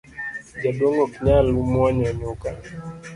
Jaduong’ ok nyal mwonyo nyuka